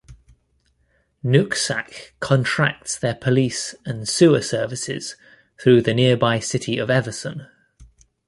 Nooksack contracts their Police and sewer services through the nearby City of Everson.